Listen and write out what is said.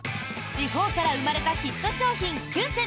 地方から生まれたヒット商品９選。